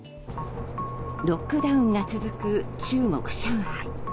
ロックダウンが続く中国・上海。